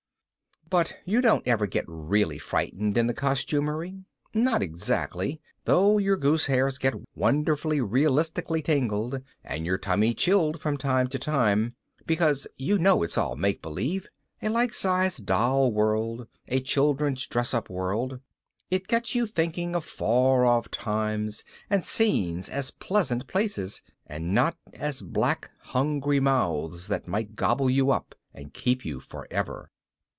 But you don't ever get really frightened in the costumery. Not exactly, though your goosehairs get wonderfully realistically tingled and your tummy chilled from time to time because you know it's all make believe, a lifesize doll world, a children's dress up world. It gets you thinking of far off times and scenes as pleasant places and not as black hungry mouths that might gobble you up and keep you forever.